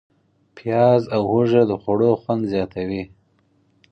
پیاز او هوږه د خوړو خوند زیاتوي.